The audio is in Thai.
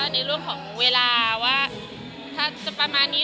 ในเรื่องเวลาว่าถ้าเพราะสุขจังอย่างนี้